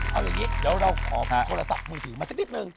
เอาอย่างนี้เดี๋ยวเราขอหาโทรศัพท์มือถือมาสักนิดนึง